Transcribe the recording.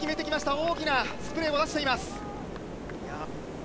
大きなスプレーを出しています。